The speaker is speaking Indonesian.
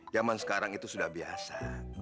zaman sekarang itu sudah biasa